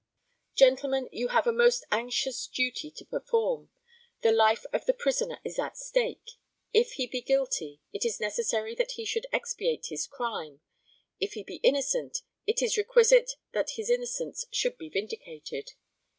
Gentlemen, you have a most anxious duty to perform. The life of the prisoner is at stake; if he be guilty, it is necessary that he should expiate his crime; if he be innocent, it is requisite that his innocence should be vindicated.